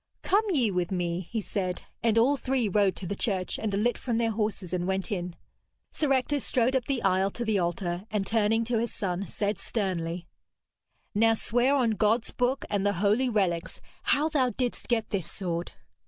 'Come ye with me,' he said, and all three rode to the church, and alit from their horses and went in. Sir Ector strode up the aisle to the altar, and turning to his son, said sternly: 'Now, swear on God's book and the holy relics how thou didst get this sword.'